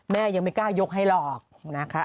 แม่ยังไม่กล้ายกให้หรอกนะคะ